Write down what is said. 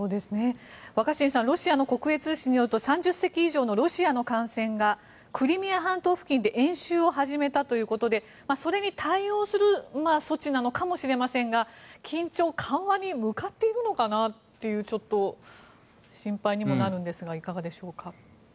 若新さんロシアの国営通信によると３０隻以上のロシアの艦船がクリミア半島付近で演習を始めたということでそれに対応する措置なのかもしれませんが緊張緩和に向かっているのかなという心配にもなるんですがいかがでしょうか。